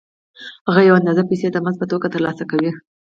هغه یوه اندازه پیسې د مزد په توګه ترلاسه کوي